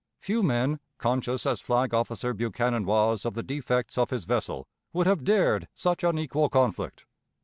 Few men, conscious as Flag officer Buchanan was of the defects of his vessel, would have dared such unequal conflict.